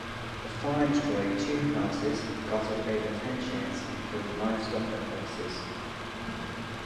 The fire destroyed two houses, gutted over ten sheds and killed livestock and horses.